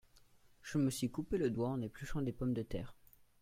Je me suis coupé le doigt en épluchant des pommes-de-terre.